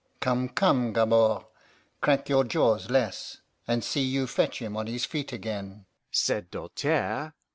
"Come, come, Gabord, crack your jaws less, and see you fetch him on his feet again," said Doltaire.